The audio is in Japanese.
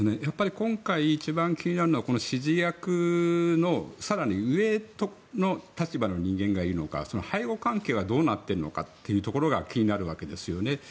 今回一番気になるのはこの指示役の更に上の立場の人間がいるのか背後関係はどうなっているのかっていうところが気になるわけですよね。